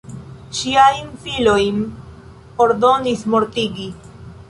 Ŝiajn filojn ordonis mortigi.